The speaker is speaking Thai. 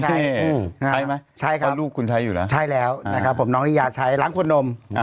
ใช่ไหมใช่ครับลูกคุณใช้อยู่แล้วใช่แล้วนะครับผมน้องนิยาใช้ล้างคนนม